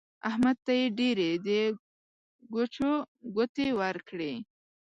احمد ته يې ډېرې د ګوچو ګوتې ورکړې.